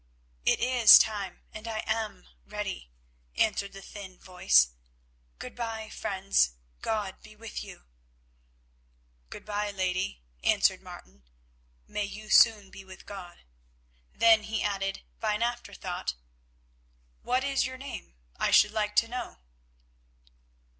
"It is time and I am ready," answered the thin voice. "Good bye, friends, God be with you." "Good bye, lady," answered Martin; "may you soon be with God." Then he added, by an afterthought, "What is your name? I should like to know."